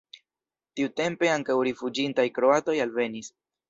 Tiutempe ankaŭ rifuĝintaj kroatoj alvenis.